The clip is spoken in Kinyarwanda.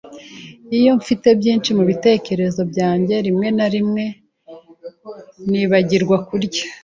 Iyo mfite byinshi mubitekerezo byanjye, rimwe na rimwe nibagirwa kurya.